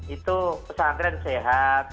itu pesantren sehat